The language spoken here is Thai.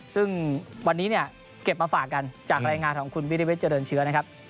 ซึ่งวันนี้เก็บมาฝากกันจากรายงานของคุณบิริเวศเจริญเชื้อ